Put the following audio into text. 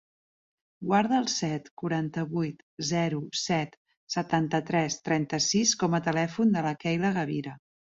Guarda el set, quaranta-vuit, zero, set, setanta-tres, trenta-sis com a telèfon de la Keyla Gavira.